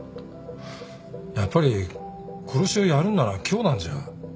やっぱり殺しをやるんなら今日なんじゃ？